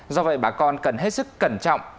do vậy bà con cần hết sức cẩn trọng